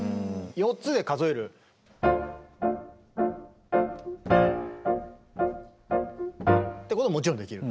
４つで数える。ってことももちろんできる。